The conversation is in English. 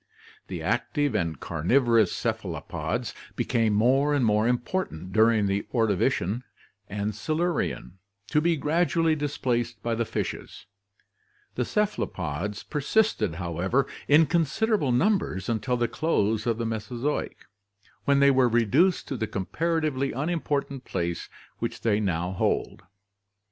The active and carnivorous cephalopods became more and more important during the Ordovician and Silu rian, to be gradually displaced by the fishes; the cephalopods per sisted, however, in considerable numbers until the close of the Mesozoic, when they were reduced to the comparatively unim portant place which they now hold.